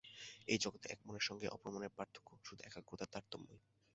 এই জগতে এক মনের সঙ্গে অপর মনের পার্থক্য শুধু একাগ্রতার তারতম্যেই।